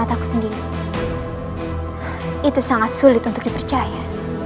aku sendiri itu sangat sulit untuk dipercaya